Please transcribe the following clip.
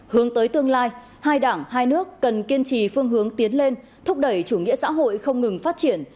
hướng tới tương lai hai đảng hai nước cần kiên trì phương hướng tiến lên thúc đẩy chủ nghĩa xã hội không ngừng phát triển